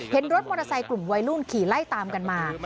เห็นรถมอเตอร์ไซค์กลุ่มวัยรุ่นขี่ไล่ตามกันมา